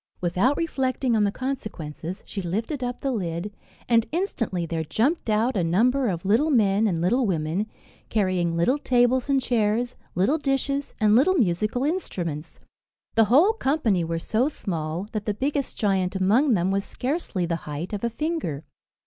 Without reflecting on the consequences, she lifted up the lid, and instantly there jumped out a number of little men and little women, carrying little tables and chairs, little dishes, and little musical instruments. The whole company were so small, that the biggest giant among them was scarcely the height of a finger.